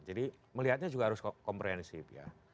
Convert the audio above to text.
jadi melihatnya juga harus komprehensif ya